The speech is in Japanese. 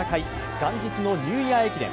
元日のニューイヤー駅伝。